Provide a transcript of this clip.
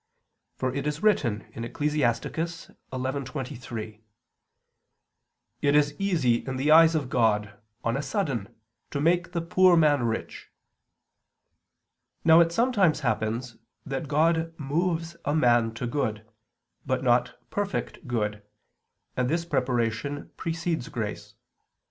For it is written (Ecclus. 11:23): "It is easy in the eyes of God on a sudden to make the poor man rich." Now it sometimes happens that God moves a man to good, but not perfect good, and this preparation precedes grace.